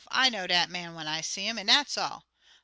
I know dat man when I see 'im, an' dat's all.'